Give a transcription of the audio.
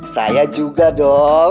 saya juga dong